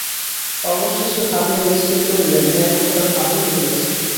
অবশেষে ভাবিয়া স্থির করিলেন, এ একপ্রকার ভালোই হইয়াছে।